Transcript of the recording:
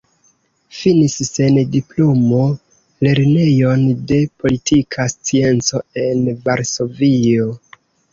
Finis sen diplomo Lernejon de Politika Scienco en Varsovio.